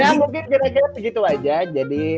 ya mungkin kira kira segitu aja